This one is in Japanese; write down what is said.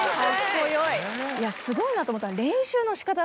すごいなと思ったのは。